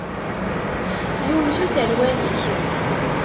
Yumes userwal-ik.